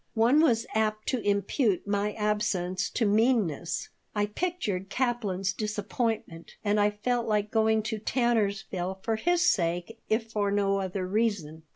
One was apt to impute my absence to meanness. I pictured Kaplan's disappointment, and I felt like going to Tannersville for his sake, if for no other reason.